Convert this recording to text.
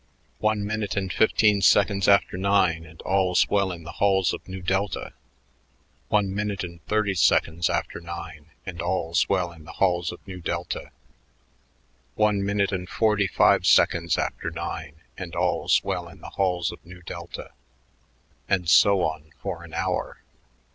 "One minute and fifteen seconds after nine, and all's well in the halls of Nu Delta; one minute and thirty seconds after nine, and all's well in the halls of Nu Delta; one minute and forty five seconds after nine, and all's well in the halls of Nu Delta," and so on for an hour.